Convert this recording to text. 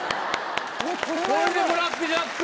これでブラックジャック。